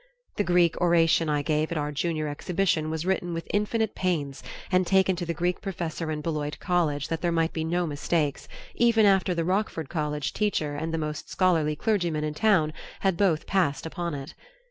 The Greek oration I gave at our Junior Exhibition was written with infinite pains and taken to the Greek professor in Beloit College that there might be no mistakes, even after the Rockford College teacher and the most scholarly clergyman in town had both passed upon it.